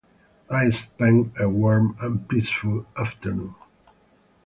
I spent a warm and peaceful afternoon.